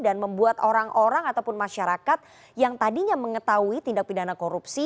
dan membuat orang orang ataupun masyarakat yang tadinya mengetahui tindak pidana korupsi